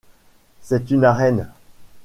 C’est une arène.